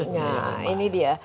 nah ini dia